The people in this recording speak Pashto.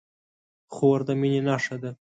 خور د مینې نښه ده.